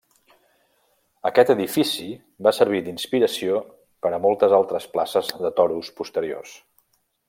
Aquest edifici va servir d'inspiració per a moltes altres places de toros posteriors.